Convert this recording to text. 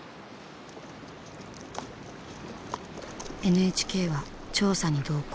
ＮＨＫは調査に同行。